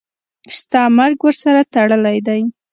ستا مرګ ورسره تړلی دی.